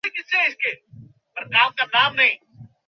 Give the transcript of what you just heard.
আচ্ছা, স্যার।